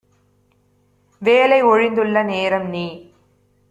வேலை ஒழிந்துள்ள நேரம் - நீ